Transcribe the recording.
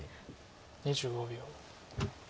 ２５秒。